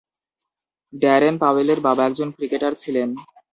Darren পাওয়েলের বাবা একজন ক্রিকেটার ছিলেন।